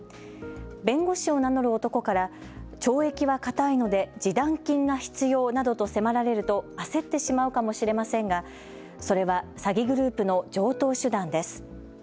弁護士を名乗る男から懲役はかたいので示談金が必要などと迫られると焦ってしまうかもしれませんがそれは詐欺グループの常とう手段です。